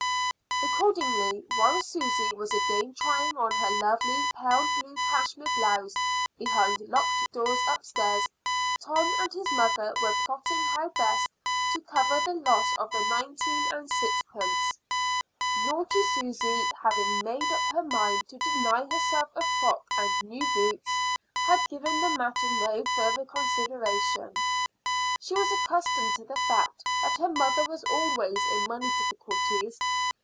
Accordingly, while Susy was again trying on her lovely pale blue cashmere blouse behind locked doors upstairs, Tom and his mother were plotting how best to cover the loss of the nineteen and sixpence. Naughty Susy, having made up her mind to deny herself a new frock and new boots, had given the matter no further consideration. She was accustomed to the fact that her mother was always in money difficulties.